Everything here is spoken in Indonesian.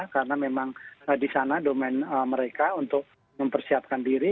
karena memang di sana domen mereka untuk mempersiapkan diri